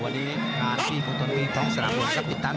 วันนี้หลานพี่ภูทนวิทย์ท้องสนามหลวงครับอีกทั้ง